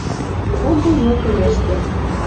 Кого Йыл тӹрӹштӹ